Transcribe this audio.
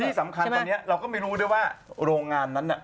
ที่สำคัญตอนนี้เราก็ไม่รู้ด้วยว่าโรงงานนั้นน่ะ